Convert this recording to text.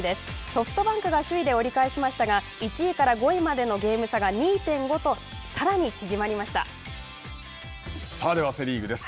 ソフトバンクが首位で折り返しましたが１位から５位までのゲーム差が２．５とさあ、では、セ・リーグです。